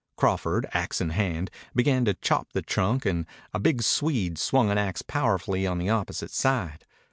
Crawford, axe in hand, began to chop the trunk and a big Swede swung an axe powerfully on the opposite side.